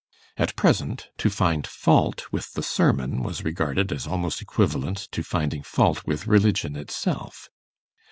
At present, to find fault with the sermon was regarded as almost equivalent to finding fault with religion itself.